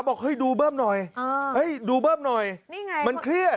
บอกดูเบิ้มหน่อยดูเบิ้มหน่อยมันเครียด